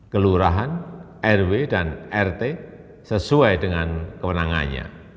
kelurahan rw dan rt sesuai dengan kewenangannya